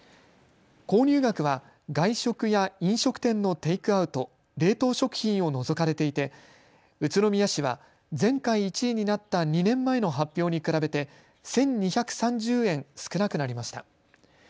購入額は外食や飲食店のテイクアウト、冷凍食品を除かれていて宇都宮市は前回１位になった２年前の発表に比べて１２３０円少なくなりました。